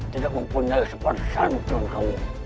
tidak mempunyai kesempatan untuk kamu